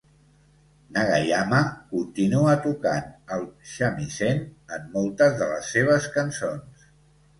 Nagayama continua tocant el shamisen en moltes de les seves cançons.